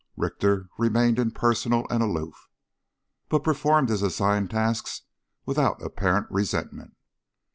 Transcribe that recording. Richter remained impersonal and aloof, but performed his assigned tasks without apparent resentment.